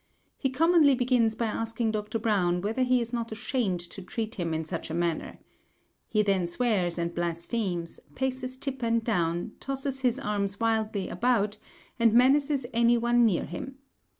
He commonly begins by asking Dr. Browne whether he is not ashamed to treat him in such a manner. He then swears and blasphemes, paces tip and down, tosses his arms wildly about, and menaces any one near him.